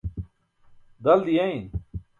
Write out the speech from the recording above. dal diyein